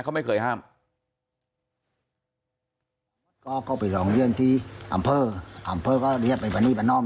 เขาไม่เคยห้าม